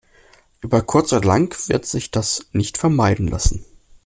Über kurz oder lang wird sich das nicht vermeiden lassen.